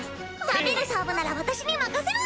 食べる勝負なら私に任せろにゃ。